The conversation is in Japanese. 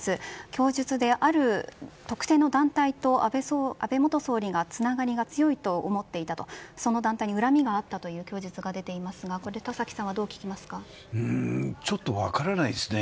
供述で、ある特定の団体と安倍元総理がつながりが強いと思っていたとその団体に恨みがあったという供述が出ていますがこれ、田崎さんはちょっと分からないですね。